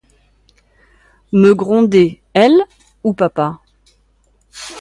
Me gronder, elle, ou papa ?